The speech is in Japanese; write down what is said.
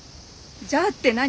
「じゃあ」って何？